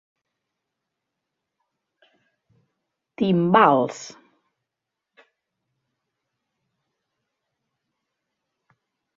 Timbals